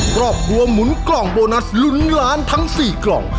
ครอบครัวหมุนกล่องโบนัสลุ้นล้านทั้ง๔กล่อง